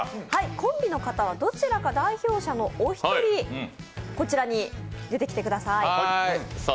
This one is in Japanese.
コンビの方はどちらか代表者の方だけこちらに出てきてください。